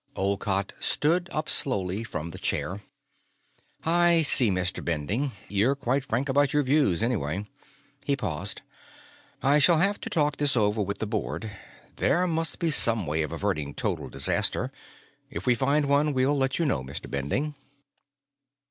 Olcott stood up slowly from the chair. "I see, Mr. Bending; you're quite frank about your views, anyway." He paused. "I shall have to talk this over with the Board. There must be some way of averting total disaster. If we find one, we'll let you know, Mr. Bending."